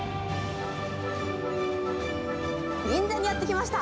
銀座にやって来ました。